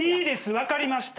分かりました。